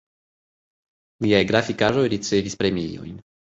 Liaj grafikaĵoj ricevis premiojn.